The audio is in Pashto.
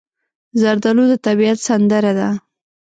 زردالو د طبیعت سندره ده.